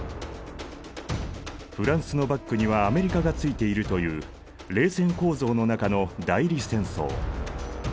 フランスのバックにはアメリカがついているという冷戦構造の中の代理戦争。